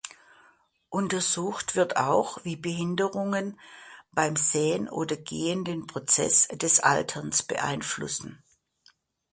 Untersucht wird auch, wie Behinderungen beim Sehen oder Gehen den Prozess des Alterns beeinflussen.